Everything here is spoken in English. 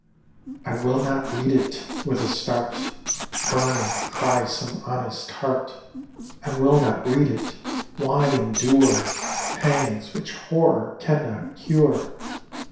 ["I will not read it!" with a start, Burning cries some honest heart; "I will not read it! Why endure Pangs which horror cannot cure?